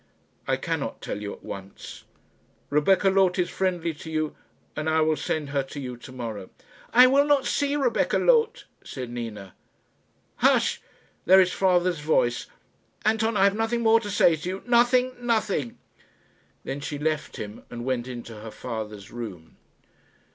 "I cannot tell you at once. Rebecca Loth is friendly to you, and I will send her to you to morrow." "I will not see Rebecca Loth," said Nina. "Hush! there is father's voice. Anton, I have nothing more to say to you nothing nothing." Then she left him, and went into her father's room.